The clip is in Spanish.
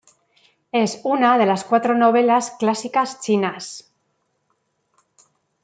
Es una de las cuatro novelas clásicas chinas.